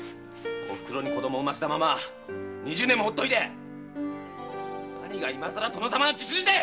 オフクロに子供を産ませたまま二十年もほっといて何が今更殿様の血筋だい